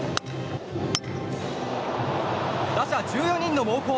打者１４人の猛攻。